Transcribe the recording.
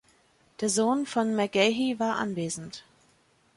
Der Sohn von McGahey war anwesend.